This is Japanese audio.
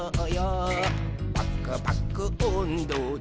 「パクパクおんどで」